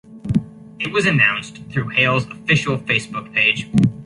It was announced through Hale's official Facebook page.